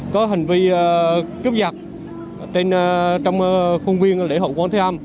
có hành vi cướp nhật trong khuôn viên lễ hội quán thế âm